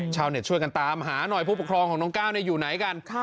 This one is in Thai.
ชาวเน็ตช่วยกันตามหาหน่อยผู้ปกครองของน้องก้าวอยู่ไหนกัน